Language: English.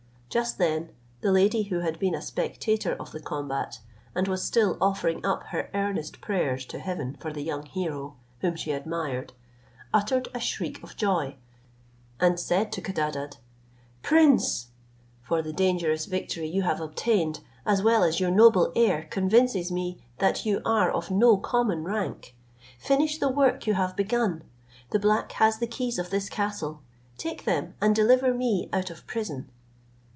Just then, the lady, who had been a spectator of the combat, and was still offering up her earnest prayers to heaven for the young hero, whom she admired, uttered a shriek of joy, and said to Codadad, "Prince (for the dangerous victory you have obtained, as well as your noble air, convinces me that you are of no common rank), finish the work you have begun; the black has the keys of this castle, take them and deliver me out of prison."